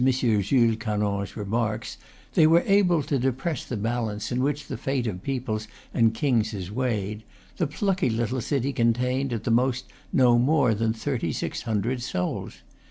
Jules Canonge remarks, "they were able to depress the balance in which the fate of peoples and kings is weighed," the plucky little city contained at the most no more than thirty six hundred souls.